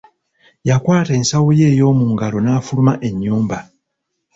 Yakwata ensawo ye ey'omu ngalo, n'affuluma ennyumba.